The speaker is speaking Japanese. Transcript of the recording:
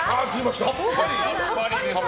さっぱりですね。